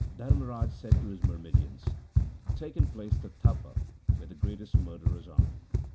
Dharmraj said to his myrmidons, ' Take and place the Tapa where the greatest murderers are.